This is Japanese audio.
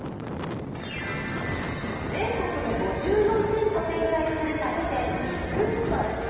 全国に５４店舗展開する家具店、ビッグウッド。